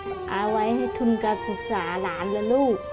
เอาไว้ให้ทุนการศึกษาหลานและลูก